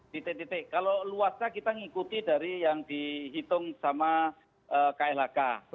titik titik kalau luasnya kita mengikuti dari yang dihitung sama klhk